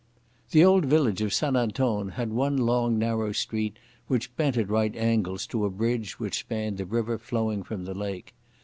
The old village of St Anton had one long, narrow street which bent at right angles to a bridge which spanned the river flowing from the lake.